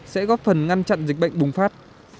sẽ góp phần ngăn chặn dịch bệnh bùng phát